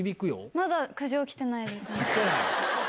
まだ苦情来てないですね。